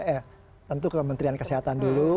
eh tentu kementerian kesehatan dulu